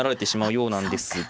そうなんですね